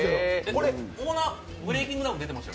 オーナー、ブレイキングダウン出てました？